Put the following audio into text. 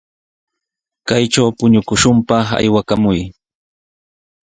Kayman puñukushunpaq aywakamuy.